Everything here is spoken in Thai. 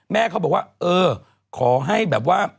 แม่เขาบอกว่าเออขอให้แบบว่า